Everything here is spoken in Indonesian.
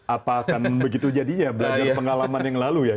apa akan begitu jadinya belajar pengalaman yang lalu ya